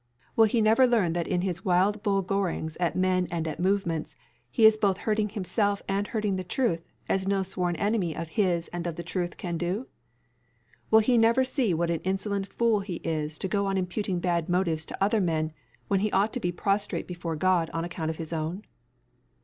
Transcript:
Will he never learn that in his wild bull gorings at men and at movements, he is both hurting himself and hurting the truth as no sworn enemy of his and of the truth can do? Will he never see what an insolent fool he is to go on imputing bad motives to other men, when he ought to be prostrate before God on account of his own?